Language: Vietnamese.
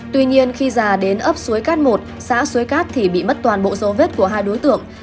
tuy nhiên khi già đến ấp suối cát một xã xuế cát thì bị mất toàn bộ dấu vết của hai đối tượng